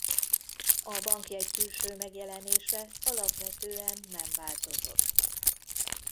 A bankjegy külső megjelenése alapvetően nem változott.